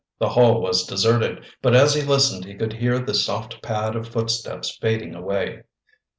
The hall was deserted, but as he listened he could hear the soft pad of footsteps fading away.